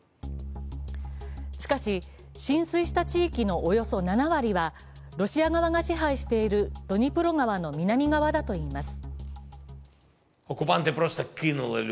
しかし、浸水した地域のおよそ７割はロシア側が支配しているドニプロ川の南側だといいます。